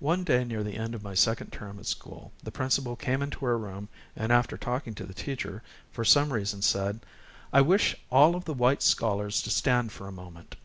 One day near the end of my second term at school the principal came into our room and, after talking to the teacher, for some reason said: "I wish all of the white scholars to stand for a moment."